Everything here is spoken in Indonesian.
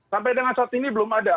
sampai dengan saat ini belum ada